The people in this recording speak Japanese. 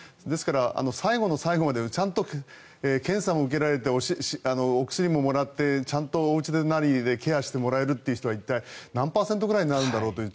ですから、最後の最後まで検査も受けられてお薬ももらってちゃんと、おうちなりでケアしてもらえる人は一体何パーセントぐらいになるんだろうと。